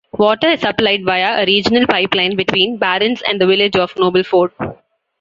Water is supplied via a regional pipeline between Barons and the Village of Nobleford.